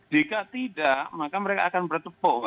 jika tidak maka mereka akan bertepuk